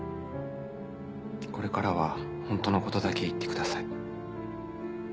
これからはほんとのことだけ言ってください。